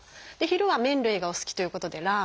昼は麺類がお好きということでラーメン。